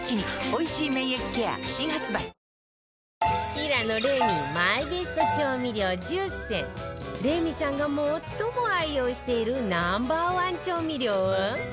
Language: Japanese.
平野レミマイベスト調味料１０選レミさんが最も愛用しているＮｏ．１調味料は？